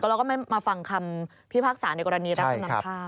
แล้วก็มาฟังคำพี่ภักษาในกรณีรักษณ์น้ำพร้าว